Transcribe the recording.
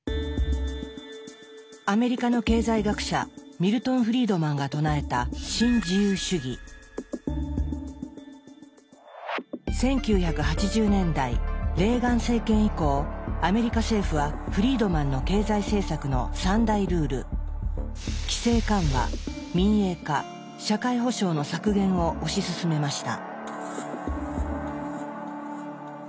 アメリカの経済学者ミルトン・フリードマンが唱えた１９８０年代レーガン政権以降アメリカ政府はフリードマンの経済政策の３大ルールを推し進めました。